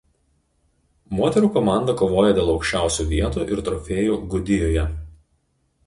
Moterų komanda kovoja dėl aukščiausių vietų ir trofėjų Gudijoje.